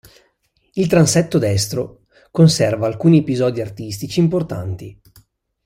Il transetto destro conserva alcuni episodi artistici importanti.